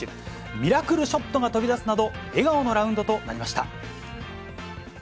ミラクルショットが飛び出すなど、笑顔のラウンドとなりました。